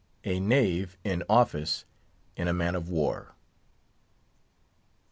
A KNAVE IN OFFICE IN A MAN OF WAR.